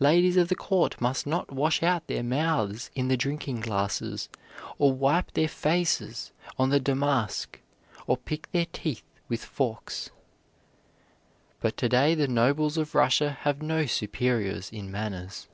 Ladies of the court must not wash out their mouths in the drinking glasses, or wipe their faces on the damask, or pick their teeth with forks." But to day the nobles of Russia have no superiors in manners.